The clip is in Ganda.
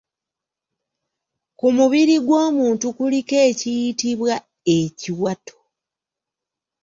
Ku mubiri gw’omuntu kuliko ekiyitibwa Ekiwato.